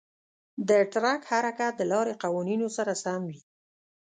د ټرک حرکت د لارې قوانینو سره سم وي.